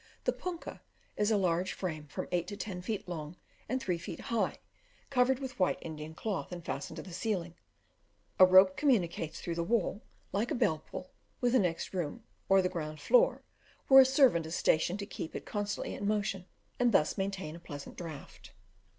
The punkah is a large frame, from eight to ten feet long, and three feet high, covered with white Indian cloth, and fastened to the ceiling. A rope communicates, through the wall, like a bell pull, with the next room, or the ground floor, where a servant is stationed to keep it constantly in motion, and thus maintain a pleasing draught.